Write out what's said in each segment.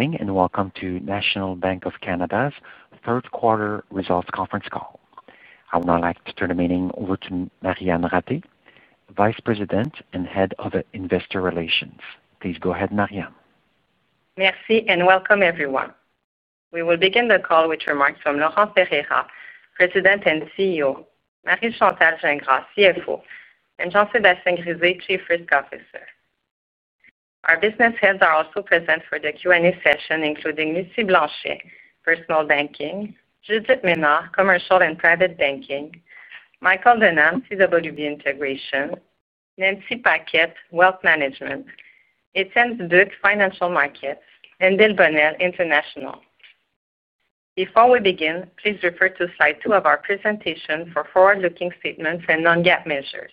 Morning and welcome to National Bank of Canada Third Quarter Results Conference Call. I would now like to turn the meeting over to Marianne Ratté, Vice President and Head of Investor Relations. Please go ahead, Marianne. Merci and welcome everyone. We will begin the call with remarks from Laurent Ferreira, President and CEO, Marie Chantal Gingras, CFO, and Jean-Sébastien Grisé, Chief Risk Officer. Our business heads are also present for the Q&A session, including Lucie Blanchet, Personal Banking, Judith Ménard, Commercial and Private Banking, Michael Denham, CWB Integration, Nancy Paquet, Wealth Management, Etienne Dubuc, Financial Markets, and Bill Bonnell, International. Before we begin, please refer to slide 2 of our presentation for forward-looking statements and non-GAAP measures.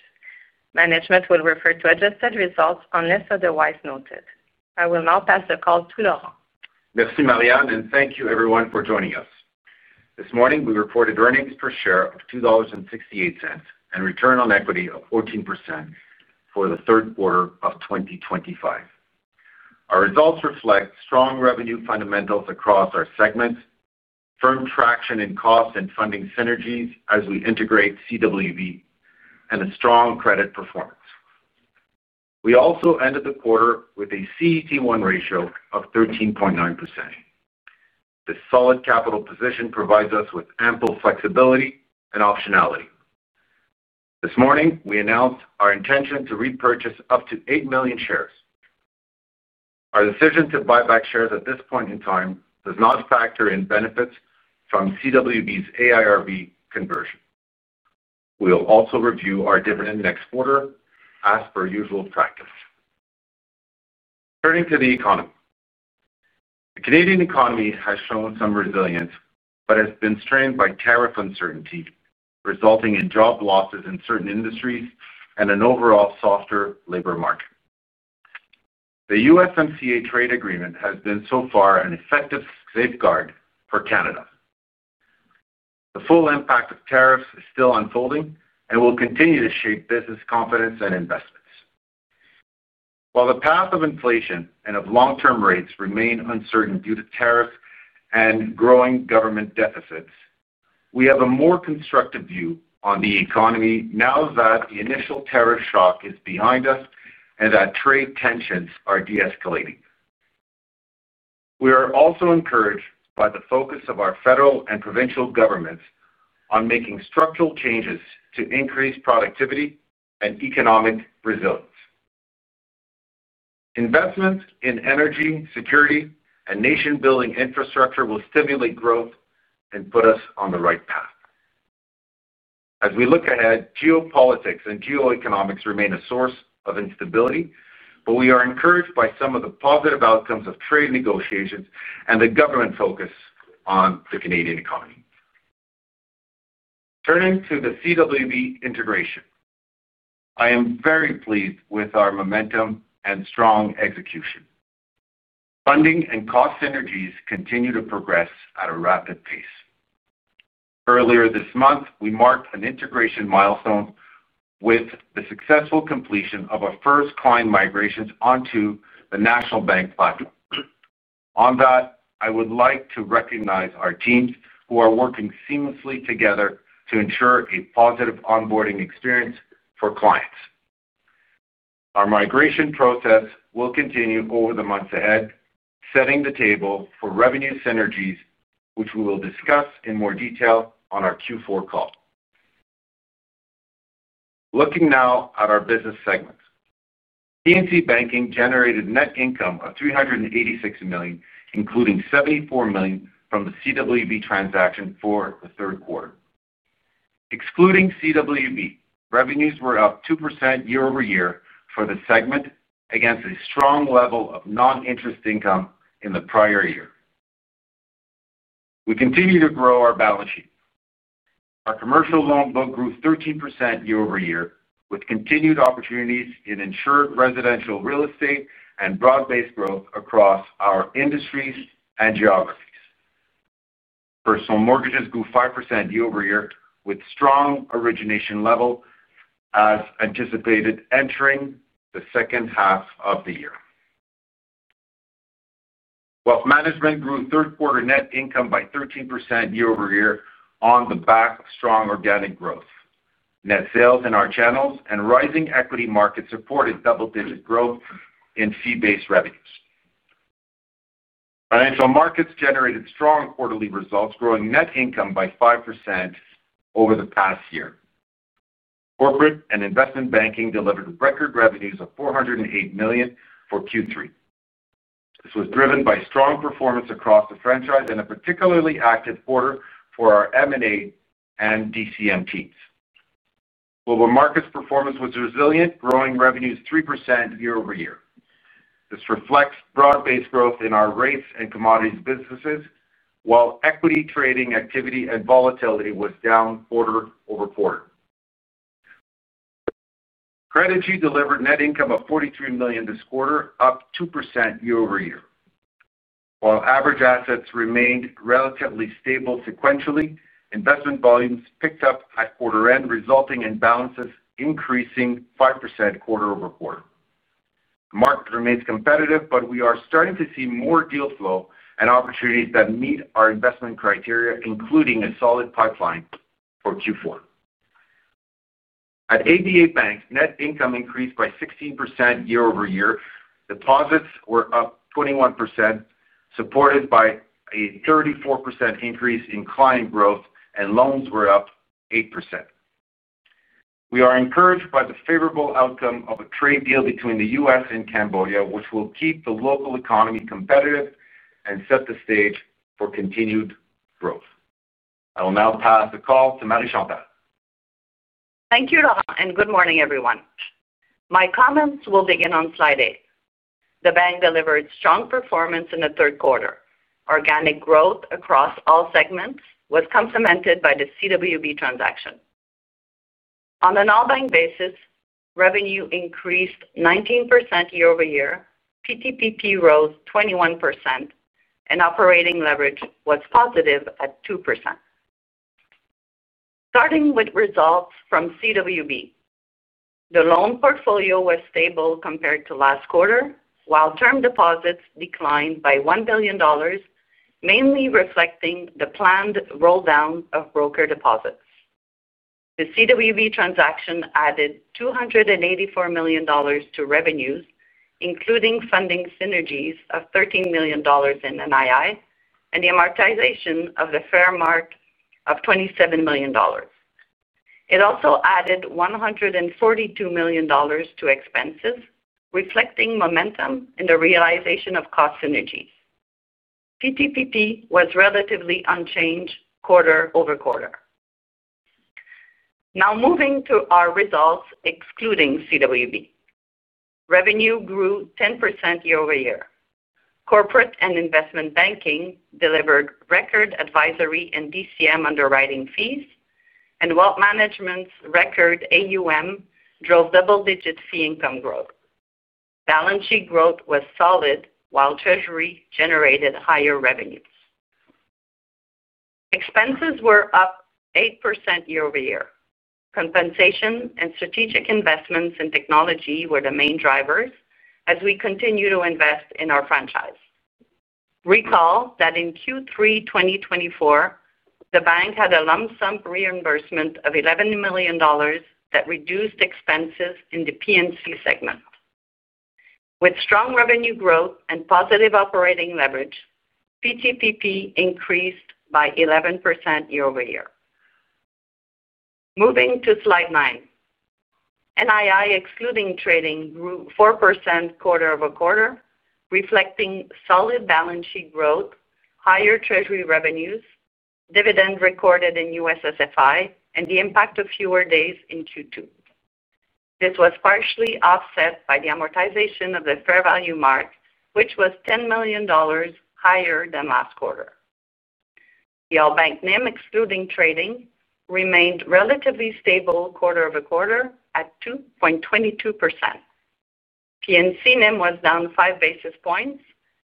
Management will refer to adjusted results unless otherwise noted. I will now pass the call to Laurent. Merci, Marianne, and thank you, everyone, for joining us. This morning, we reported earnings per share of $2.68 and a return on equity of 14% for the third quarter of 2025. Our results reflect strong revenue fundamentals across our segments, firm traction in cost and funding synergies as we integrate Canadian Western Bank, and a strong credit performance. We also ended the quarter with a CET1 ratio of 13.9%. This solid capital position provides us with ample flexibility and optionality. This morning, we announced our intention to repurchase up to 8 million shares. Our decision to buy back shares at this point in time does not factor in benefits from Canadian Western Bank's AIRB conversion. We will also review our dividend next quarter, as per usual practice. Turning to the economy, the Canadian economy has shown some resilience, but has been strained by tariff uncertainty, resulting in job losses in certain industries and an overall softer labor market. The USMCA trade agreement has been so far an effective safeguard for Canada. The full impact of tariffs is still unfolding and will continue to shape business confidence and investments. While the path of inflation and of long-term rates remain uncertain due to tariffs and growing government deficits, we have a more constructive view on the economy now that the initial tariff shock is behind us and that trade tensions are de-escalating. We are also encouraged by the focus of our federal and provincial governments on making structural changes to increase productivity and economic resilience. Investments in energy, security, and nation-building infrastructure will stimulate growth and put us on the right path. As we look ahead, geopolitics and geoeconomics remain a source of instability, but we are encouraged by some of the positive outcomes of trade negotiations and the government focus on the Canadian economy. Turning to the Canadian Western Bank integration, I am very pleased with our momentum and strong execution. Funding and cost synergies continue to progress at a rapid pace. Earlier this month, we marked an integration milestone with the successful completion of our first client migrations onto the National Bank of Canada platform. On that, I would like to recognize our teams who are working seamlessly together to ensure a positive onboarding experience for clients. Our migration process will continue over the months ahead, setting the table for revenue synergies, which we will discuss in more detail on our Q4 call. Looking now at our business segments, Personal Banking and Client Experience generated a net income of $386 million, including $784 million from the CWB transaction for the third quarter. Excluding Canadian Western Bank, revenues were up 2% year-over-year for the segment against a strong level of non-interest income in the prior year. We continue to grow our balance sheet. Our commercial loan book grew 13% year-over-year, with continued opportunities in insured residential real estate and broad-based growth across our industries and geographies. Personal mortgages grew 5% year-over-year, with strong origination levels as anticipated entering the second half of the year. Wealth Management grew third-quarter net income by 13% year-over-year on the back of strong organic growth. Net sales in our channels and rising equity markets supported double-digit growth in fee-based revenues. Financial Markets generated strong quarterly results, growing net income by 5% over the past year. Corporate and Investment Banking delivered record revenues of $408 million for Q3. This was driven by strong performance across the franchise and a particularly active quarter for our M&A and DCM teams. Global Markets performance was resilient, growing revenues 3% year-over-year. This reflects broad-based growth in our REITs and commodities businesses, while equity trading activity and volatility were down quarter-over-quarter. Credigy delivered a net income of $43 million this quarter, up 2% year-over-year. While average assets remained relatively stable sequentially, investment volumes picked up at quarter end, resulting in balances increasing 5% quarter-over-quarter. The market remains competitive, but we are starting to see more deal flow and opportunities that meet our investment criteria, including a solid pipeline for Q4. At ABA Bank, net income increased by 16% year-over-year, deposits were up 21%, supported by a 34% increase in client growth, and loans were up 8%. We are encouraged by the favorable outcome of a trade deal between the U.S. and Cambodia, which will keep the local economy competitive and set the stage for continued growth. I will now pass the call to Marie Chantal. Thank you, Laurent, and good morning, everyone. My comments will begin on slide eight. The bank delivered strong performance in the third quarter. Organic growth across all segments was complemented by the CWB transaction. On an all-bank basis, revenue increased 19% year-over-year, PTPP rose 21%, and operating leverage was positive at 2%. Starting with results from CWB, the loan portfolio was stable compared to last quarter, while term deposits declined by $1 billion, mainly reflecting the planned roll-down of broker deposits. The CWB transaction added $284 million to revenues, including funding synergies of $13 million in NII and the amortization of the fair market of $27 million. It also added $142 million to expenses, reflecting momentum in the realization of cost synergy. PTPP was relatively unchanged quarter-over-quarter. Now moving to our results excluding CWB, revenue grew 10% year-over-year. Corporate and investment banking delivered record advisory and DCM underwriting fees, and Wealth Management's record AUM drove double-digit fee income growth. Balance sheet growth was solid, while Treasury generated higher revenues. Expenses were up 8% year-over-year. Compensation and strategic investments in technology were the main drivers, as we continue to invest in our franchise. Recall that in Q3 2024, the bank had a lump sum reimbursement of $11 million that reduced expenses in the PNC segment. With strong revenue growth and positive operating leverage, PTPP increased by 11% year-over-year. Moving to slide 9, NII excluding trading grew 4% quarter-over-quarter, reflecting solid balance sheet growth, higher Treasury revenues, dividend recorded in USSFI, and the impact of fewer days in Q2. This was partially offset by the amortization of the fair value mark, which was $10 million higher than last quarter. The all-bank NIM excluding trading remained relatively stable quarter-over-quarter at 2.22%. PNC NIM was down 5 basis points,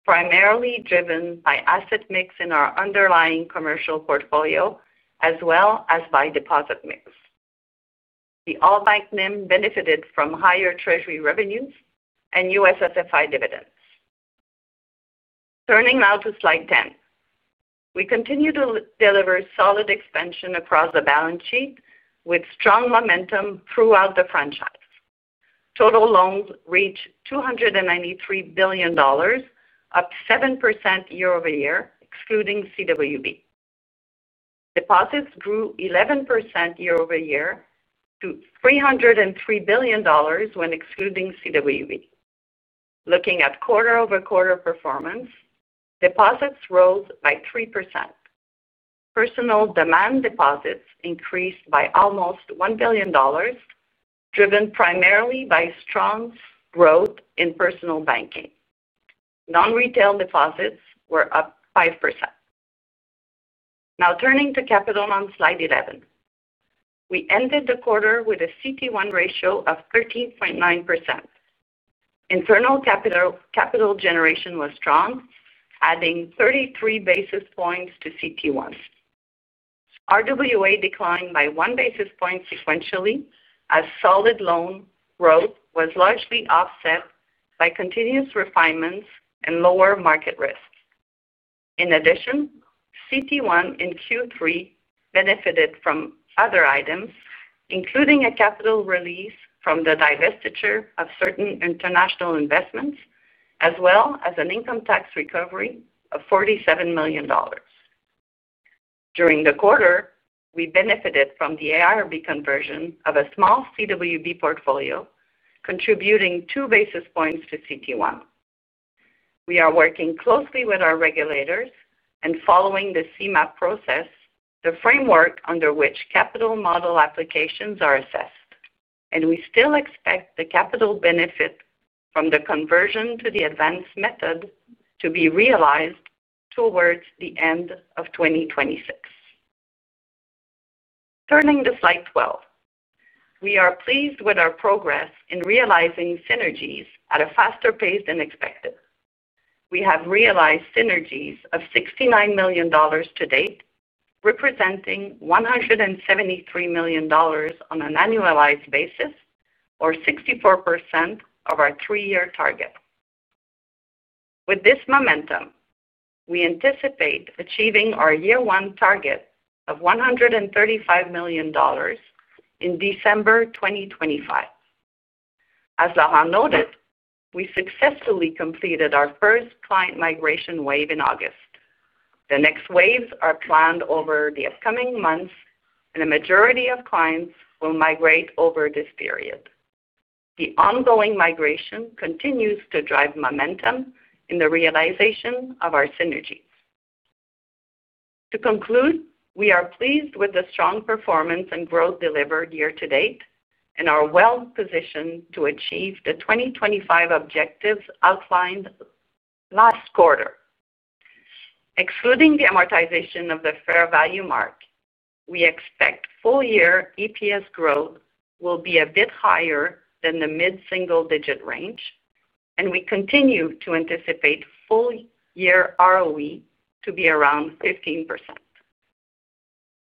primarily driven by asset mix in our underlying commercial portfolio, as well as by deposit mix. The all-bank NIM benefited from higher Treasury revenues and USSFI dividends. Turning now to slide 10, we continue to deliver solid expansion across the balance sheet with strong momentum throughout the franchise. Total loans reached $293 billion, up 7% year-over-year, excluding CWB. Deposits grew 11% year-over-year to $303 billion when excluding CWB. Looking at quarter over quarter performance, deposits rose by 3%. Personal demand deposits increased by almost $1 billion, driven primarily by strong growth in personal banking. Non-retail deposits were up 5%. Now turning to capital on slide 11, we ended the quarter with a CET1 ratio of 13.9%. Internal capital generation was strong, adding 33 basis points to CET1s. RWA declined by 1 basis point sequentially, as solid loan growth was largely offset by continuous refinements and lower market risks. In addition, CET1 in Q3 benefited from other items, including a capital release from the divestiture of certain international investments, as well as an income tax recovery of $47 million. During the quarter, we benefited from the AIRB conversion of a small CWB portfolio, contributing 2 basis points to CET1. We are working closely with our regulators and following the CMAP process, the framework under which capital model applications are assessed, and we still expect the capital benefit from the conversion to the advanced method to be realized towards the end of 2026. Turning to slide 12, we are pleased with our progress in realizing synergies at a faster pace than expected. We have realized synergies of $69 million to date, representing $173 million on an annualized basis, or 64% of our 3-year target. With this momentum, we anticipate achieving our year-one target of $135 million in December 2025. As Laurent noted, we successfully completed our first client migration wave in August. The next waves are planned over the upcoming months, and a majority of clients will migrate over this period. The ongoing migration continues to drive momentum in the realization of our synergies. To conclude, we are pleased with the strong performance and growth delivered year to date and are well-positioned to achieve the 2025 objectives outlined last quarter. Excluding the amortization of the fair value mark, we expect full-year EPS growth will be a bit higher than the mid-single-digit range, and we continue to anticipate full-year ROE to be around 15%.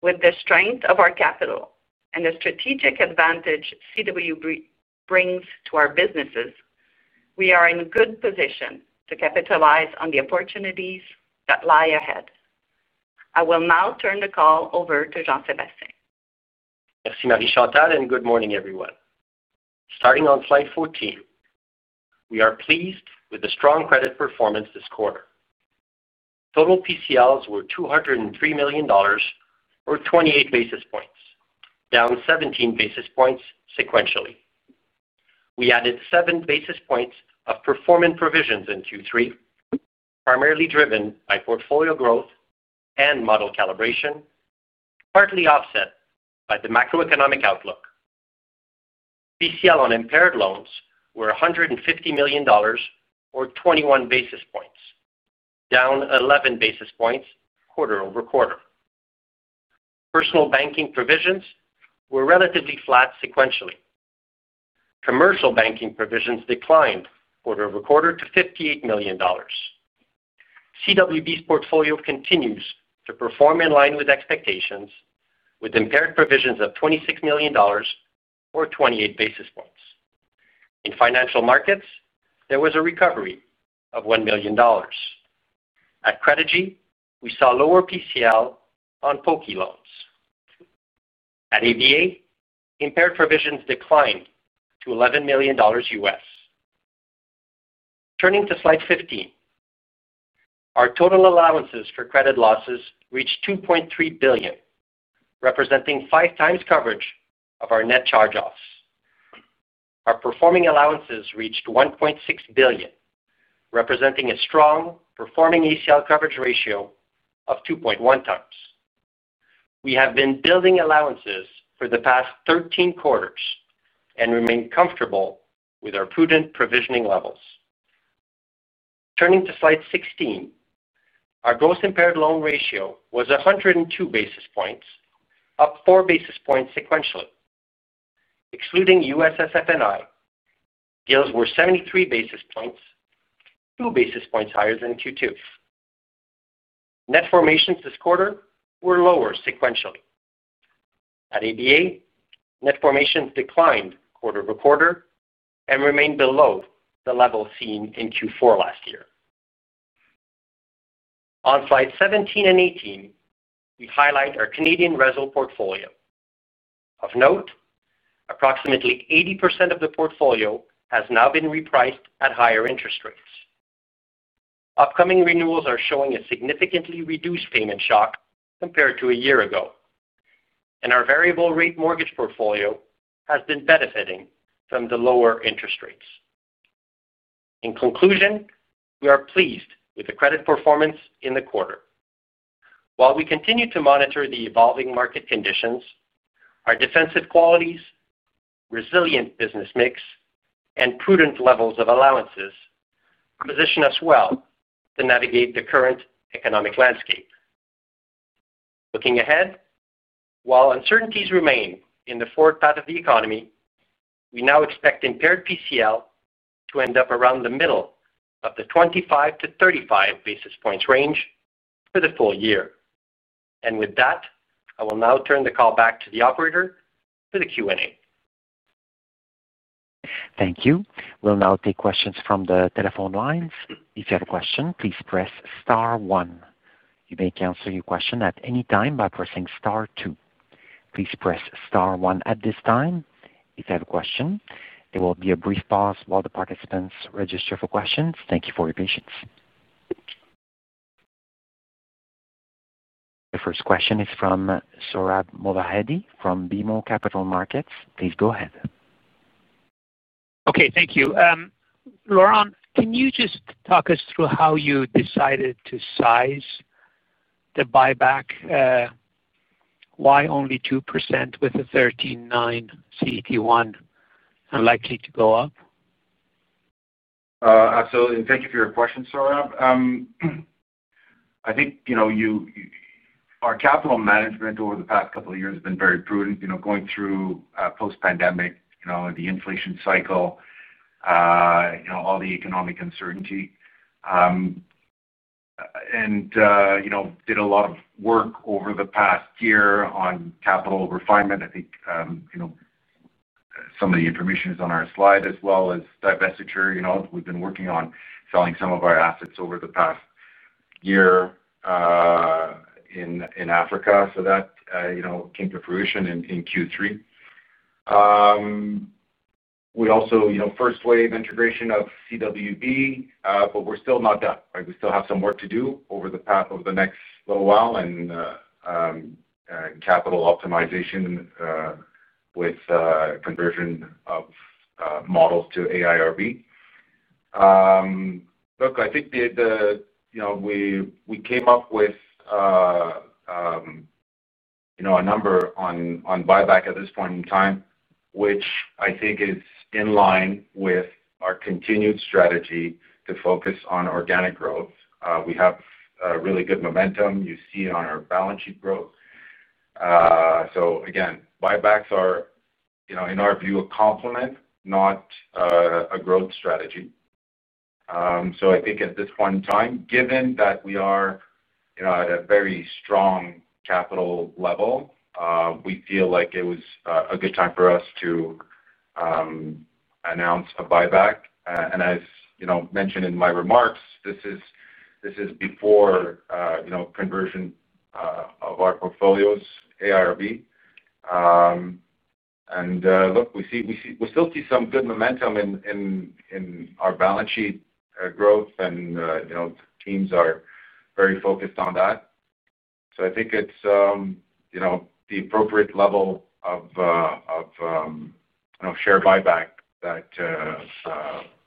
With the strength of our capital and the strategic advantage CWB brings to our businesses, we are in a good position to capitalize on the opportunities that lie ahead. I will now turn the call over to Jean-Sébastien. Merci, Marie Chantal, and good morning, everyone. Starting on slide 14, we are pleased with the strong credit performance this quarter. Total PCLs were $203 million, or 28 basis points, down 17 basis points sequentially. We added 7 basis points of performing provisions in Q3, primarily driven by portfolio growth and model calibration, partly offset by the macroeconomic outlook. PCL on impaired loans were $150 million, or 21 basis points, down 11 basis points quarter-over-quarter. Personal banking provisions were relatively flat sequentially. Commercial banking provisions declined quarter-over-quarter to $58 million. CWB portfolio continues to perform in line with expectations, with impaired provisions of $26 million, or 28 basis points. In Financial Markets, there was a recovery of $1 million. At Credigy, we saw lower PCL on POCI loans. At ABA Bank, impaired provisions declined to $11 million U.S.. Turning to slide 15, our total allowances for credit losses reached $2.3 billion, representing 5x coverage of our net charge-offs. Our performing allowances reached $1.6 billion, representing a strong performing ACL coverage ratio of 2.1x. We have been building allowances for the past 13 quarters and remain comfortable with our prudent provisioning levels. Turning to slide 16, our gross impaired loan ratio was 102 basis points, up 4 basis points sequentially. Excluding USSF and I, deals were 73 basis points, 2 basis points higher than in Q2. Net formations this quarter were lower sequentially. At ABA Bank, net formations declined quarter over quarter and remained below the level seen in Q4 last year. On slides 17 and 18, we highlight our Canadian RESL portfolio. Of note, approximately 80% of the portfolio has now been repriced at higher interest rates. Upcoming renewals are showing a significantly reduced payment shock compared to a year ago, and our variable-rate mortgage portfolio has been benefiting from the lower interest rates. In conclusion, we are pleased with the credit performance in the quarter. While we continue to monitor the evolving market conditions, our defensive qualities, resilient business mix, and prudent levels of allowances position us well to navigate the current economic landscape. Looking ahead, while uncertainties remain in the forward path of the economy, we now expect impaired PCL to end up around the middle of the 25-35 basis points range for the full year. I will now turn the call back to the operator for the Q&A. Thank you. We'll now take questions from the telephone lines. If you have a question, please press star one. You may answer your question at any time by pressing star two. Please press star one at this time. If you have a question, there will be a brief pause while the participants register for questions. Thank you for your patience. The first question is from Sohrab Movahedi from BMO Capital Markets. Please go ahead. Okay, thank you. Laurent, can you just talk us through how you decided to size the buyback? Why only 2% with a 39 CET1 and likely to go up? Absolutely, and thank you for your question, Sohrab. I think our capital management over the past couple of years has been very prudent, going through post-pandemic, the inflation cycle, all the economic uncertainty. We did a lot of work over the past year on capital refinement. I think some of the information is on our slide as well as divestiture. We've been working on selling some of our assets over the past year in Africa so that came to fruition in Q3. We also had the first wave integration of CWB, but we're still not done. We still have some work to do over the next little while in capital optimization with conversion of models to AIRB. I think we came up with a number on buyback at this point in time, which I think is in line with our continued strategy to focus on organic growth. We have really good momentum. You see it on our balance sheet growth. Buybacks are, in our view, a complement, not a growth strategy. At this point in time, given that we are at a very strong capital level, we feel like it was a good time for us to announce a buyback. As mentioned in my remarks, this is before conversion of our portfolios to AIRB. We still see some good momentum in our balance sheet growth, and teams are very focused on that. I think it's the appropriate level of share buyback that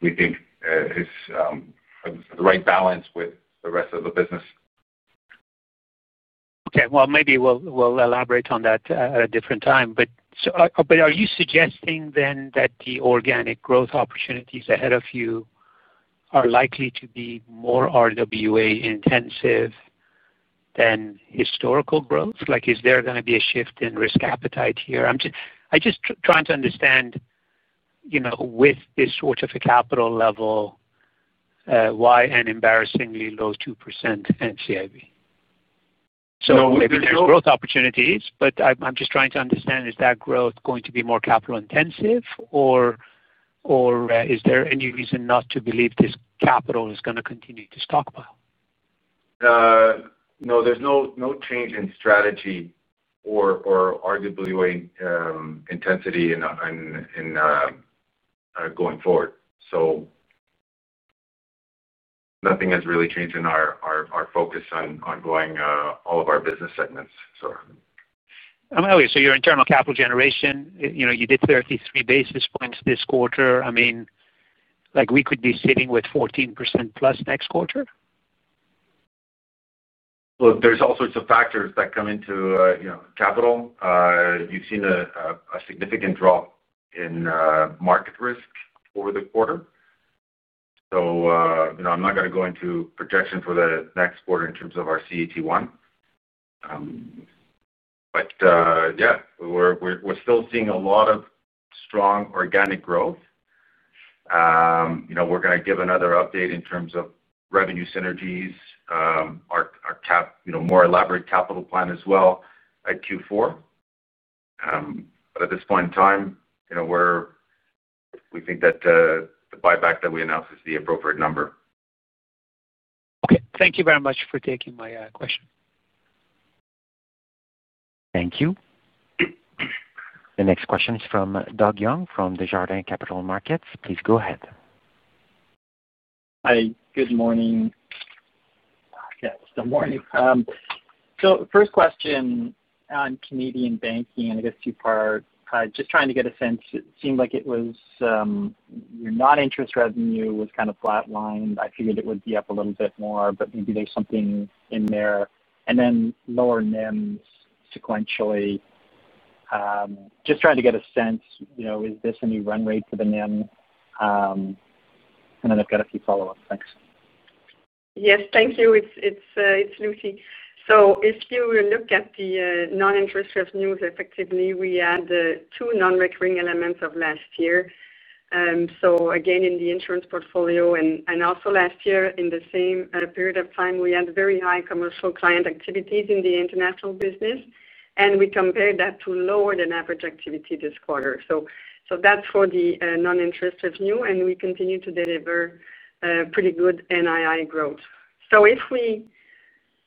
we think is the right balance with the rest of the business. Okay, maybe we'll elaborate on that at a different time. Are you suggesting then that the organic growth opportunities ahead of you are likely to be more RWA intensive than historical growth? Is there going to be a shift in risk appetite here? I'm just trying to understand, you know, with this sort of a capital level, why an embarrassingly low 2% NCAV? I think there's. Growth opportunities, but I'm just trying to understand, is that growth going to be more capital intensive, or is there any reason not to believe this capital is going to continue to stockpile? No, there's no change in strategy or RWA intensity going forward. Nothing has really changed in our focus on ongoing all of our business segments. Emily, your internal capital generation, you did say at least 3 basis points this quarter. I mean, like, we could be sitting with 14%+ next quarter? There are all sorts of factors that come into, you know, capital. You've seen a significant drop in market risk over the quarter. I'm not going to go into projections for the next quarter in terms of our CET1. Yeah, we're still seeing a lot of strong organic growth. We're going to give another update in terms of revenue synergies, our more elaborate capital plan as well at Q4. At this point in time, we think that the buyback that we announced is the appropriate number. Okay, thank you very much for taking my question. Thank you. The next question is from Doug Young from Desjardins Capital Markets. Please go ahead. Hi, good morning. Yes, good morning. First question on Canadian banking, just trying to get a sense, it seemed like non-interest revenue was kind of flatlined. I figured it would be up a little bit more, but maybe there's something in there. Then lower NIMs sequentially. Just trying to get a sense, is this a new run rate for the NIM? I've got a few follow-ups. Thanks. Yes, thank you. It's Lucie. If you look at the non-interest revenues, effectively, we had two non-recurring elements of last year. Again, in the insurance portfolio and also last year in the same period of time, we had very high commercial client activities in the international business. We compared that to lower than average activity this quarter. That's for the non-interest revenue, and we continue to deliver pretty good NII growth. If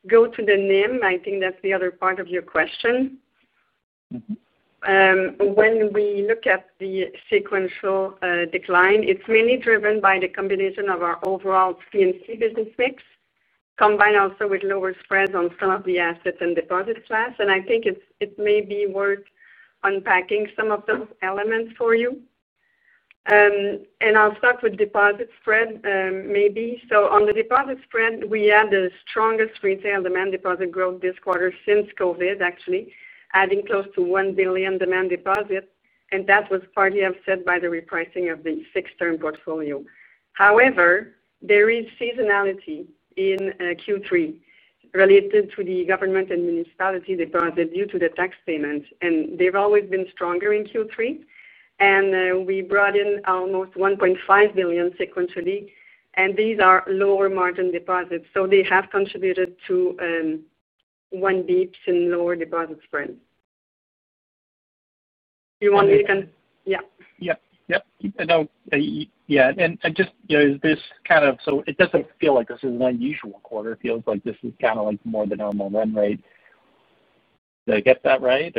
we go to the NIM, I think that's the other part of your question. When we look at the sequential decline, it's mainly driven by the combination of our overall PNC business mix, combined also with lower spreads on some of the assets and deposits class. I think it may be worth unpacking some of the elements for you. I'll start with deposit spread, maybe. On the deposit spread, we had the strongest retail demand deposit growth this quarter since COVID, actually, adding close to $1 billion demand deposits. That was partly offset by the repricing of the fixed-term portfolio. However, there is seasonality in Q3 related to the government and municipality deposits due to the tax payments, and they've always been stronger in Q3. We brought in almost $1.5 billion sequentially, and these are lower margin deposits. They have contributed to one beat in lower deposit spread. You want me to, yeah. No, yeah. Just, you know, is this kind of, it doesn't feel like this is an unusual quarter. It feels like this is kind of like more of the normal run rate. Did I get that right?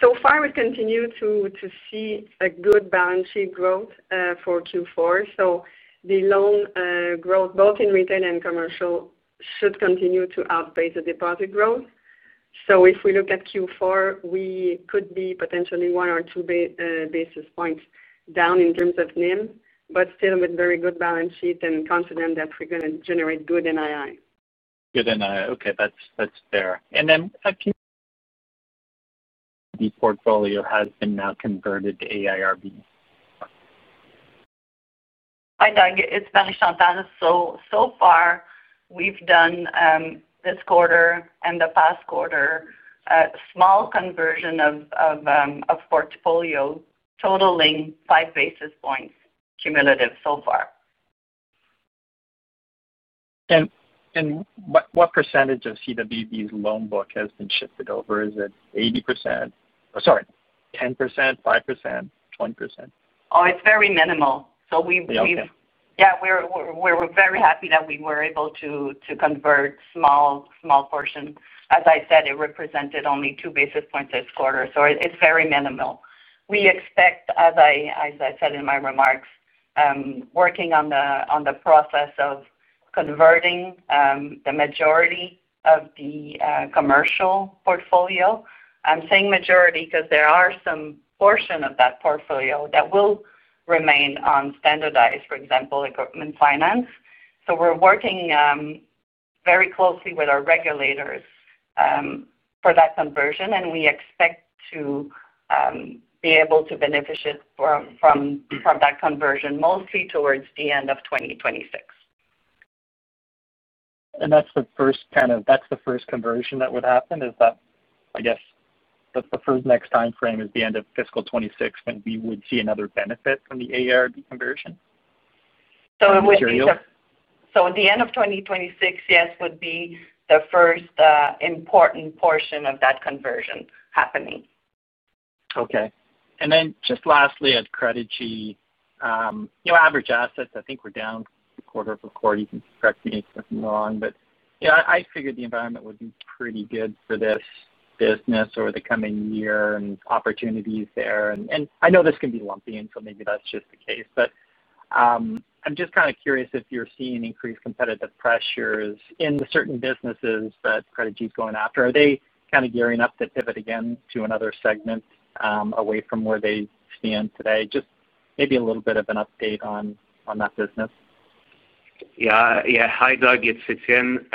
So far, we continue to see good balance sheet growth for Q4. The loan growth, both in retail and commercial, should continue to outpace the deposit growth. If we look at Q4, we could be potentially one or two basis points down in terms of NIM, but still with very good balance sheets and confident that we're going to generate good NII. Good NII. Okay, that's fair. The portfolio has been now converted to AIRB. Hi Doug, it's Marie Chantal. So far, we've done this quarter and the past quarter a small conversion of portfolio, totaling 5 basis points cumulative so far. What percentage of CWB's loan book has been shifted over? Is it 80%, 10%, 5%, 1%? Oh, it's very minimal. We've, yeah, we're very happy that we were able to convert small portions. As I said, it represented only 2 basis points this quarter. It's very minimal. We expect, as I said in my remarks, working on the process of converting the majority of the commercial portfolio. I'm saying majority because there are some portions of that portfolio that will remain unstandardized, for example, equipment finance. We're working very closely with our regulators for that conversion, and we expect to be able to benefit from that conversion mostly towards the end of 2026. That's the first kind of, that's the first conversion that would happen. Is that, I guess, the preferred next timeframe is the end of fiscal 2026, and we would see another benefit from the AIRB conversion? At the end of 2026, yes, would be the first important portion of that conversion happening. Okay. Lastly, at Credigy, you know, average assets, I think were down quarter-over-quarter. You can correct me if I'm wrong, but I figured the environment would be pretty good for this business over the coming year and opportunities there. I know this can be lumpy, and maybe that's just the case. I'm just kind of curious if you're seeing increased competitive pressures in the certain businesses that Credigy is going after. Are they kind of gearing up to pivot again to another segment away from where they stand today? Maybe a little bit of an update on that business. Yeah, hi, Doug. It fits in.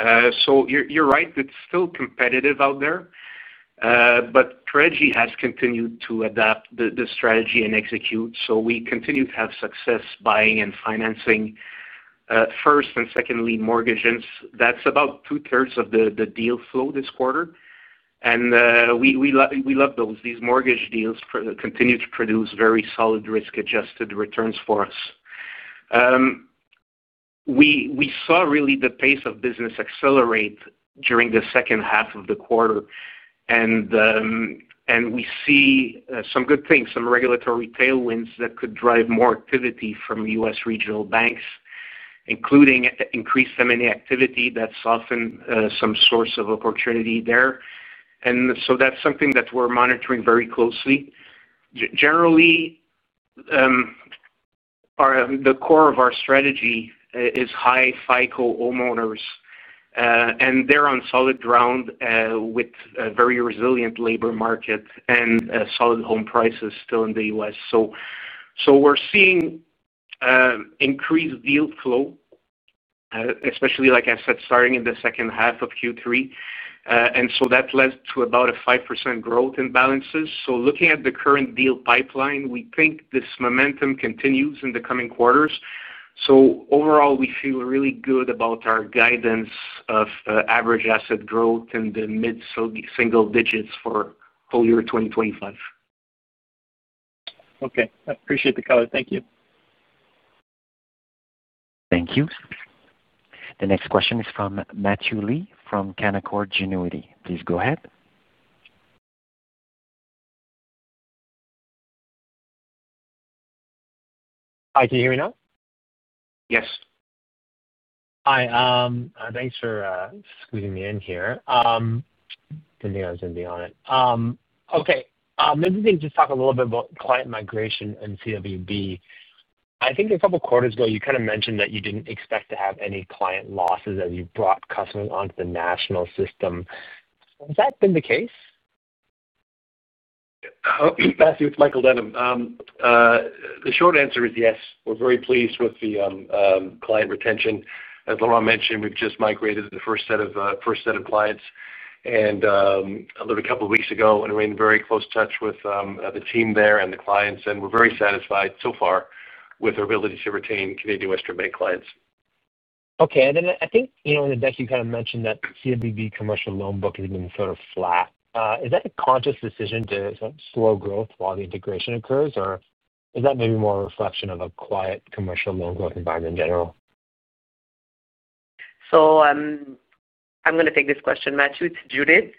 You're right, it's still competitive out there. Credigy has continued to adapt the strategy and execute. We continue to have success buying and financing first and second mortgages. That's about two-thirds of the deal flow this quarter, and we love those. These mortgage deals continue to produce very solid risk-adjusted returns for us. We saw the pace of business accelerate during the second half of the quarter. We see some good things, some regulatory tailwinds that could drive more activity from U.S. regional banks, including increased M&A activity. That's often some source of opportunity there, and that's something that we're monitoring very closely. Generally, the core of our strategy is high FICO homeowners, and they're on solid ground with a very resilient labor market and solid home prices still in the U.S. We're seeing increased deal flow, especially, like I said, starting in the second half of Q3, and that led to about a 5% growth in balances. Looking at the current deal pipeline, we think this momentum continues in the coming quarters. Overall, we feel really good about our guidance of average asset growth in the mid-single digits for full year 2025. Okay, I appreciate the color. Thank you. Thank you. The next question is from Matthew Lee from Canaccord Genuity. Please go ahead. Hi, can you hear me now? Yes. Hi, thanks for squeezing me in here. I didn't think I was going to be on it. Maybe you can just talk a little bit about client migration and CWB. I think a couple of quarters ago, you kind of mentioned that you didn't expect to have any client losses as you brought customers onto the National system. Has that been the case? Matthew, it's Michael Denham. The short answer is yes. We're very pleased with the client retention. As Laurent mentioned, we've just migrated the first set of clients a couple of weeks ago, and we're in very close touch with the team there and the clients, and we're very satisfied so far with our ability to retain Canadian Western Bank clients. Okay. In the deck, you kind of mentioned that CWB commercial loan book has been sort of flat. Is that a conscious decision to slow growth while the integration occurs, or is that maybe more a reflection of a quiet commercial loan growth environment in general? I'm going to take this question, Matthew. It's Judith.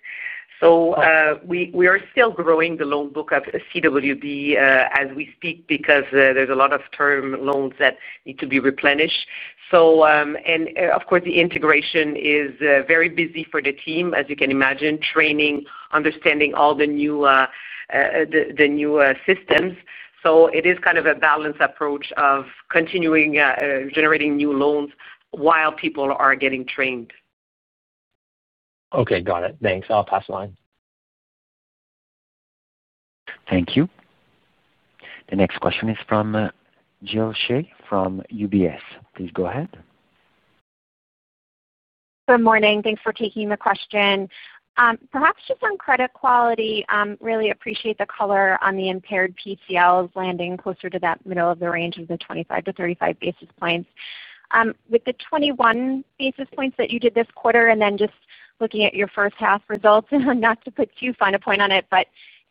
We are still growing the loan book at CWB as we speak because there's a lot of term loans that need to be replenished. Of course, the integration is very busy for the team, as you can imagine, training, understanding all the new systems. It is kind of a balanced approach of continuing generating new loans while people are getting trained. Okay, got it. Thanks. I'll pass the line. Thank you. The next question is from Jill Shea from UBS. Please go ahead. Good morning. Thanks for taking the question. Perhaps just on credit quality, I really appreciate the color on the impaired PCLs landing closer to that middle of the range of the 25-35 basis points. With the 21 basis points that you did this quarter, and just looking at your first half results, not to put too fine a point on it,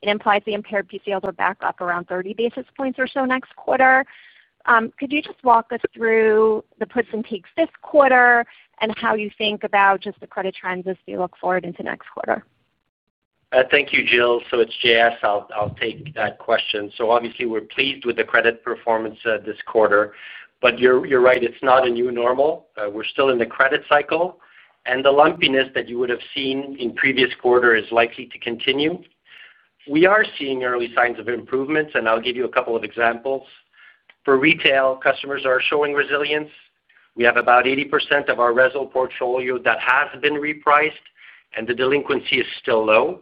it implies the impaired PCLs are back up around 30 basis points or so next quarter. Could you just walk us through the puts and takes this quarter and how you think about just the credit trends as we look forward into next quarter? Thank you, Jill. It's Jess. I'll take that question. Obviously, we're pleased with the credit performance this quarter. You're right, it's not a new normal. We're still in the credit cycle, and the lumpiness that you would have seen in previous quarters is likely to continue. We are seeing early signs of improvements, and I'll give you a couple of examples. For retail, customers are showing resilience. We have about 80% of our RESOL portfolio that has been repriced, and the delinquency is still low.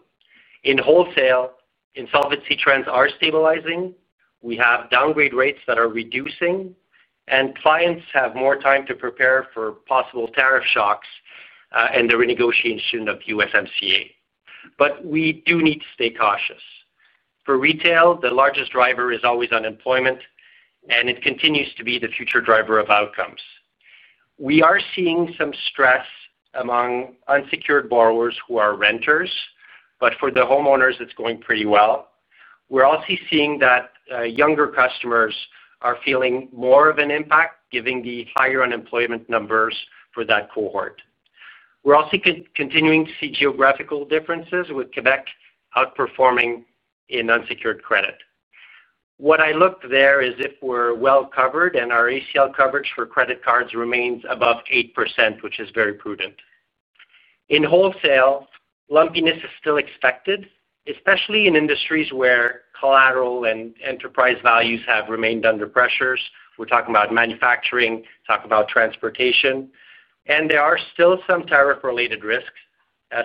In wholesale, insolvency trends are stabilizing. We have downgrade rates that are reducing, and clients have more time to prepare for possible tariff shocks and the renegotiation of USMCA. We do need to stay cautious. For retail, the largest driver is always unemployment, and it continues to be the future driver of outcomes. We are seeing some stress among unsecured borrowers who are renters, but for the homeowners, it's going pretty well. We're also seeing that younger customers are feeling more of an impact, given the higher unemployment numbers for that cohort. We're also continuing to see geographical differences with Connect outperforming in unsecured credit. What I look there is if we're well covered, and our ACL coverage for credit cards remains above 8%, which is very prudent. In wholesale, lumpiness is still expected, especially in industries where collateral and enterprise values have remained under pressures. We're talking about manufacturing, talking about transportation. There are still some tariff-related risks.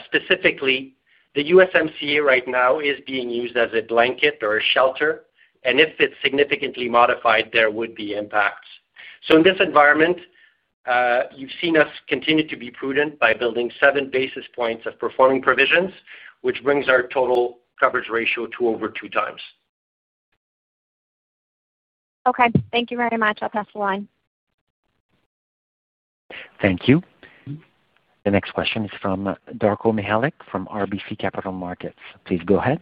Specifically, the USMCA right now is being used as a blanket or a shelter, and if it's significantly modified, there would be impacts. In this environment, you've seen us continue to be prudent by building seven basis points of performing provisions, which brings our total coverage ratio to over 2x. Okay, thank you very much. I'll pass the line. Thank you. The next question is from Darko Mihelic from RBC Capital Markets. Please go ahead.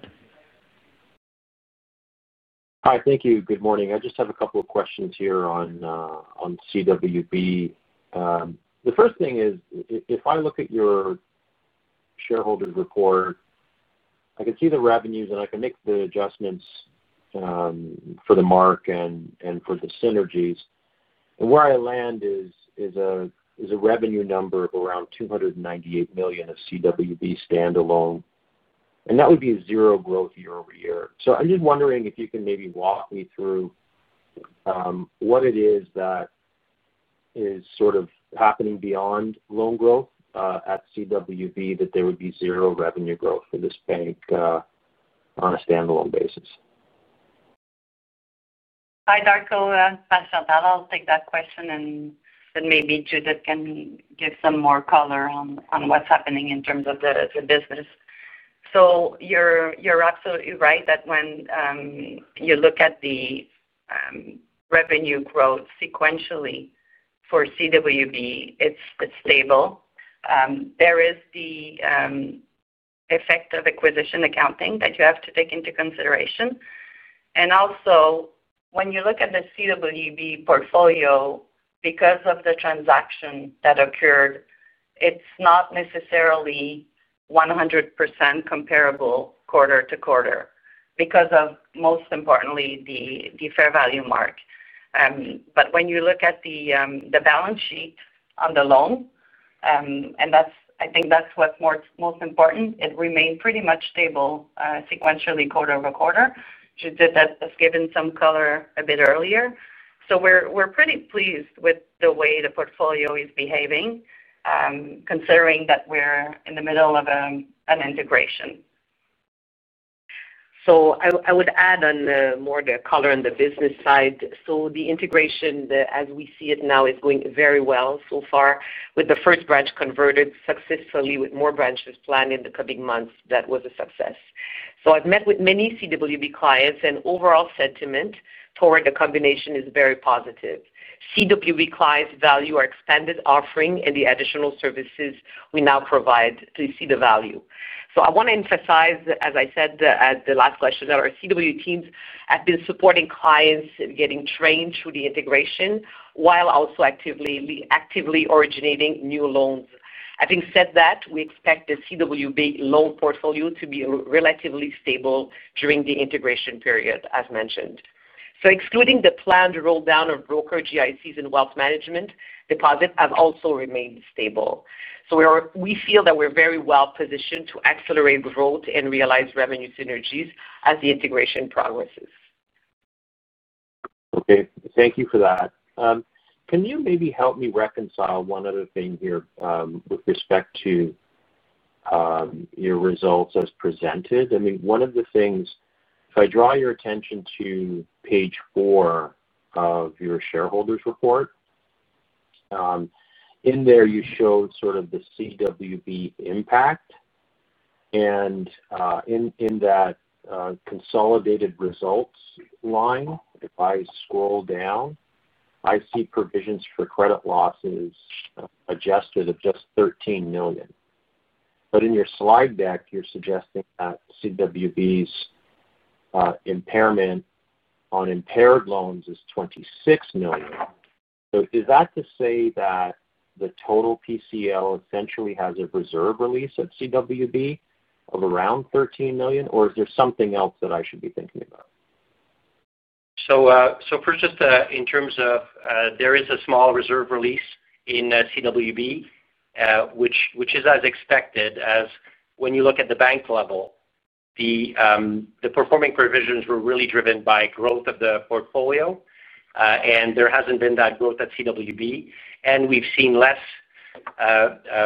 Hi, thank you. Good morning. I just have a couple of questions here on CWB. The first thing is, if I look at your shareholders' report, I can see the revenues, and I can make the adjustments for the mark and for the synergies. Where I land is a revenue number of around $298 million of CWB standalone. That would be a zero growth year-over year. I'm just wondering if you can maybe walk me through what it is that is sort of happening beyond loan growth at CWB that there would be zero revenue growth in this bank on a standalone basis. Hi, Darko. I'm sorry about that. I'll take that question, and then maybe Judith can give some more color on what's happening in terms of the business. You're absolutely right that when you look at the revenue growth sequentially for CWB, it's stable. There is the effect of acquisition accounting that you have to take into consideration. Also, when you look at the CWB portfolio, because of the transaction that occurred, it's not necessarily 100% comparable quarter to quarter because of, most importantly, the fair value mark. When you look at the balance sheet on the loan, and I think that's what's most important, it remains pretty much stable sequentially quarter-over-quarter. Judith has given some color a bit earlier. We're pretty pleased with the way the portfolio is behaving, considering that we're in the middle of an integration. I would add more color on the business side. The integration, as we see it now, is going very well so far with the first branch converted successfully, with more branches planned in the coming months. That was a success. I've met with many CWB clients, and overall sentiment toward the combination is very positive. CWB clients value our expanded offering and the additional services we now provide. They see the value. I want to emphasize, as I said at the last questionnaire, our CWB teams have been supporting clients in getting trained through the integration while also actively originating new loans. Having said that, we expect the CWB loan portfolio to be relatively stable during the integration period, as mentioned. Excluding the planned roll-down of broker GICs and wealth management, deposits have also remained stable. We feel that we're very well positioned to accelerate growth and realize revenue synergies as the integration progresses. Okay. Thank you for that. Can you maybe help me reconcile one other thing here with respect to your results as presented? I mean, one of the things, if I draw your attention to page four of your shareholders' report, in there, you showed sort of the CWB impact. In that consolidated results line, if I scroll down, I see provisions for credit losses adjusted of just $13 million. In your slide deck, you're suggesting that CWB's impairment on impaired loans is $26 million. Is that to say that the total PCL essentially has a reserve release at CWB of around $13 million, or is there something else that I should be thinking about? In terms of there is a small reserve release in CWB, which is as expected, as when you look at the bank level, the performing provisions were really driven by growth of the portfolio. There hasn't been that growth at CWB, and we've seen less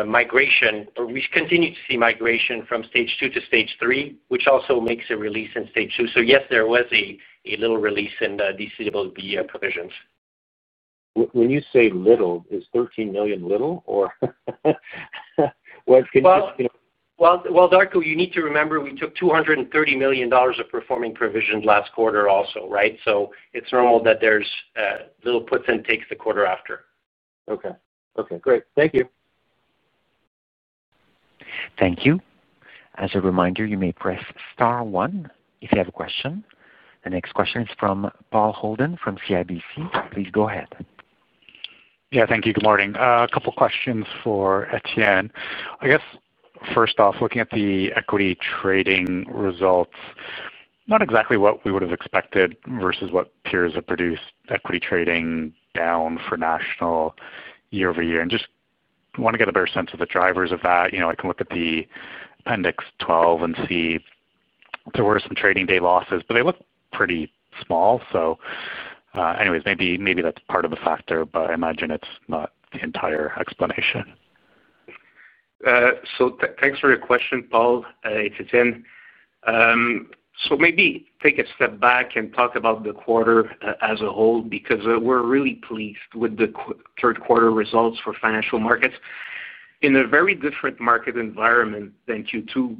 migration, or we continue to see migration from stage two to stage three, which also makes a release in stage two. Yes, there was a little release in the CWB provisions. When you say little, is $13 million little, or what can you? Darko, you need to remember we took $230 million of performing provisions last quarter also, right? It's normal that there's little puts and takes the quarter after. Okay. Great. Thank you. Thank you. As a reminder, you may press star oner if you have a question. The next question is from Paul Holden from CIBC. Please go ahead. Yeah, thank you. Good morning. A couple of questions for Étienne. I guess first off, looking at the equity trading results, not exactly what we would have expected versus what peers have produced. Equity trading down for National year-over-year, and just want to get a better sense of the drivers of that. I can look at the appendix 12 and see there were some trading day losses, but they look pretty small. Anyways, maybe that's part of the factor, but I imagine it's not the entire explanation. Thanks for your question, Paul. It's Étienne. Maybe take a step back and talk about the quarter as a whole because we're really pleased with the third quarter results for Financial Markets. In a very different market environment than Q2,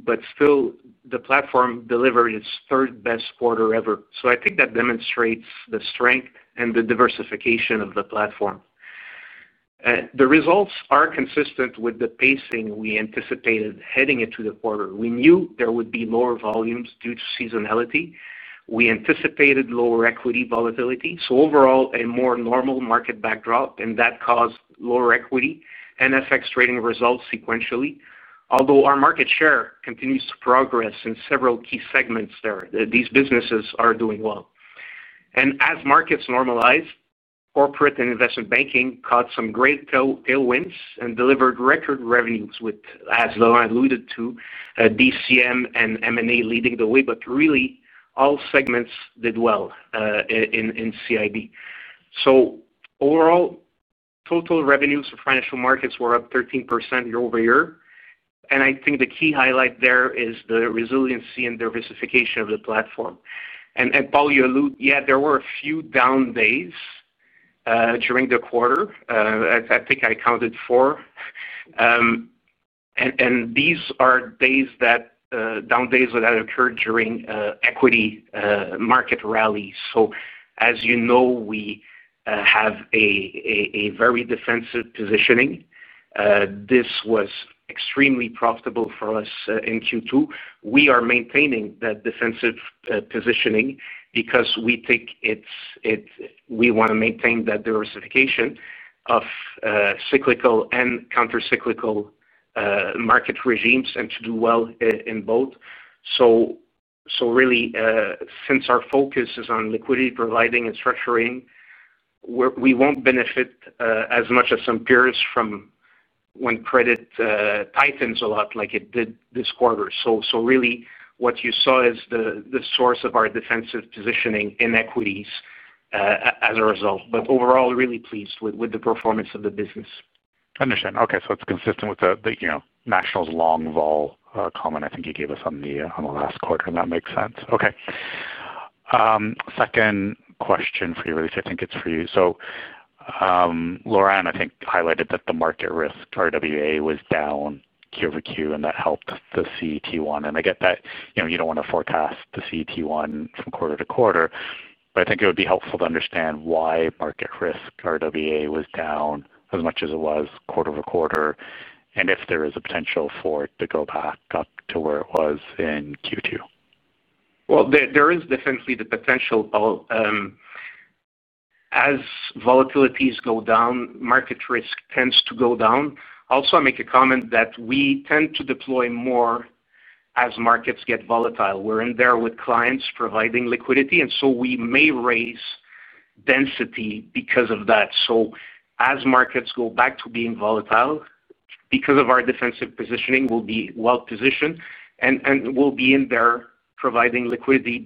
the platform delivered its third best quarter ever. I think that demonstrates the strength and the diversification of the platform. The results are consistent with the pacing we anticipated heading into the quarter. We knew there would be lower volumes due to seasonality. We anticipated lower equity volatility. Overall, a more normal market backdrop caused lower equity and FX trading results sequentially. Although our market share continues to progress in several key segments there, these businesses are doing well. As markets normalized, Corporate and Investment Banking caught some great tailwinds and delivered record revenues with, as Laurent alluded to, DCM and M&A leading the way. All segments did well in CIB. Overall, total revenues for Financial Markets were up 13% year-over-year. I think the key highlight there is the resiliency and diversification of the platform. Paul, you alluded, yeah, there were a few down days during the quarter. I think I counted four. These are down days that occurred during equity market rallies. As you know, we have a very defensive positioning. This was extremely profitable for us in Q2. We are maintaining that defensive positioning because we think we want to maintain that diversification of cyclical and countercyclical market regimes and to do well in both. Since our focus is on liquidity providing and structuring, we won't benefit as much as some peers from when credit tightens a lot like it did this quarter. What you saw is the source of our defensive positioning in equities as a result. Overall, really pleased with the performance of the business. I understand. Okay. It's consistent with National long-vault comment I think you gave us on the last quarter, and that makes sense. Second question for you, at least I think it's for you. Laurent, I think, highlighted that the market risk RWA was down Q-over-Q, and that helped the CET1. I get that you don't want to forecast the CET1 from quarter to quarter, but I think it would be helpful to understand why market risk RWA was down as much as it was quarter-over-quarter and if there is a potential for it to go back up to where it was in Q2. There is definitely the potential, Paul. As volatilities go down, market risk tends to go down. Also, I'll make a comment that we tend to deploy more as markets get volatile. We're in there with clients providing liquidity, and we may raise density because of that. As markets go back to being volatile, because of our defensive positioning, we'll be well positioned and we'll be in there providing liquidity,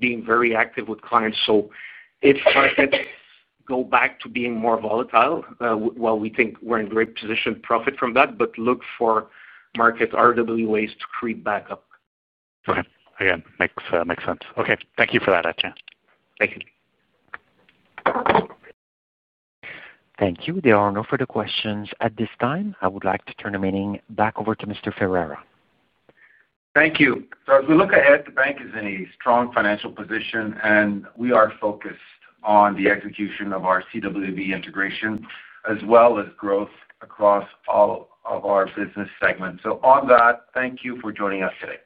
being very active with clients. If markets go back to being more volatile, we think we're in a great position to profit from that, but look for market RWAs to creep back up. Okay. Again, makes sense. Okay. Thank you for that, Étienne. Thank you. Thank you. There are no further questions at this time. I would like to turn the meeting back over to Mr. Ferreira. Thank you. As we look ahead, the bank is in a strong financial position, and we are focused on the execution of our CWB integration as well as growth across all of our business segments. Thank you for joining us today.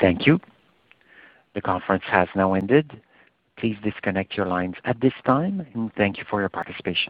Thank you. The conference has now ended. Please disconnect your lines at this time, and thank you for your participation.